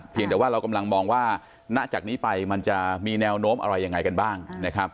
เพียงแต่ว่าเรากำลังมองว่าหน้าจากนี้ไปมันจะมีแนวโน้มอะไรยังไงกันบ้าง